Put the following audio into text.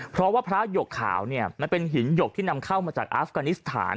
เพราะว่าพระหยกขาวเนี่ยมันเป็นหินหยกที่นำเข้ามาจากอาฟกานิสถาน